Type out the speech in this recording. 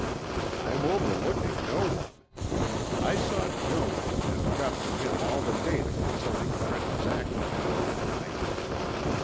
"I'm overlooking no one. I saw Jones and got from him all the data concerning Trenton's actions on that night.